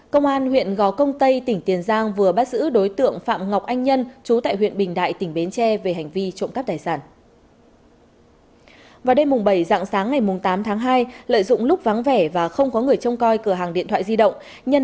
các bạn hãy đăng ký kênh để ủng hộ kênh của chúng mình nhé